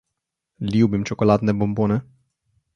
Ljubim čokoladne bombone.